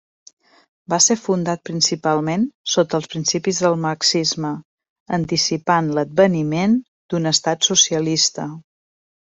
Va ser fundat principalment sota els principis del marxisme, anticipant l'adveniment d'un estat socialista.